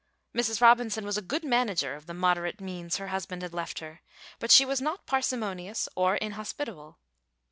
Mrs. Robinson was a good manager of the moderate means her husband had left her, but she was not parsimonious or inhospitable.